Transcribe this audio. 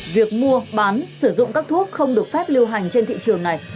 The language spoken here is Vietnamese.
việc mua bán sử dụng các thuốc không được phép lưu hành trên thị trường này